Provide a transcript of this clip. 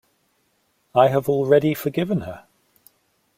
I have already forgiven her.